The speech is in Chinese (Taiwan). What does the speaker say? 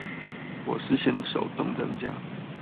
我是先手動增加